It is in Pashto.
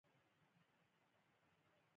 هغې زیاته کړه: "البته، هغه وخت هېڅ ښځینه.